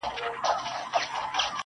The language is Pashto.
دا به نو حتمي وي کرامت د نوي کال.